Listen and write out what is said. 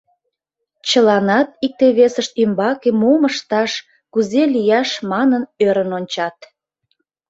Чыланат икте-весышт ӱмбаке мом ышташ, кузе лияш манын ӧрын ончат.